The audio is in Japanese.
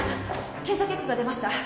検査結果が出ました。